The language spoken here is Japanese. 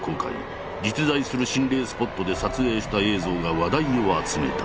実在する心霊スポットで撮影した映像が話題を集めた。